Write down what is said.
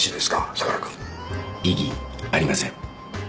相良くん。異議ありません。